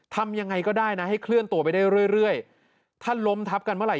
ทำยังไงก็ได้นะให้เคลื่อนตัวไปได้เรื่อยถ้าล้มทับกันเมื่อไห